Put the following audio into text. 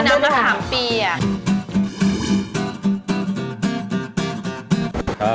คือน้ำมะขามเปียง